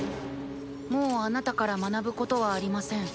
もうあなたから学ぶことはありません。